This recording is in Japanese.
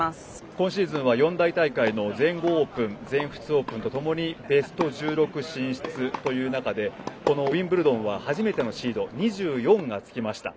今シーズンは四大大会の全豪オープン全仏オープンとともにベスト１６進出という中でウィンブルドンは初めてのシード２４がつきました。